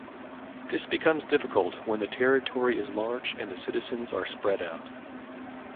This becomes difficult when the territory is large and the citizens are spread out.